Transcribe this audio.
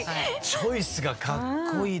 チョイスがかっこいいですね。